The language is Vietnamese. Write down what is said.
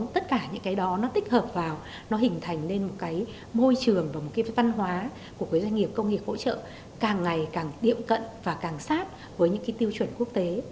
doanh nghiệp việt có thể tạo ra một doanh nghiệp công nghiệp hỗ trợ càng ngày càng tiệm cận và càng sát với những tiêu chuẩn quốc tế